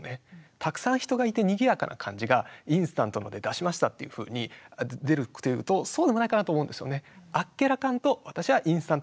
たくさん人がいてにぎやかな感じが「インスタントの」で出しましたっていうふうに出るっていうとそうでもないかなと思うんですよね。